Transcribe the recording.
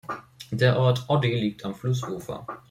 Der Ort Oddi liegt am Flussufer.